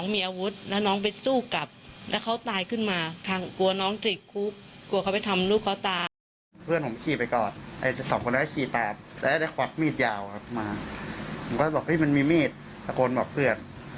มาผมก็บอกว่าพี่มันมีมีดสะโกนบอกเพื่อน